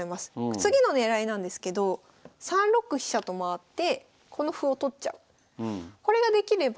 次の狙いなんですけど３六飛車と回ってこの歩を取っちゃう。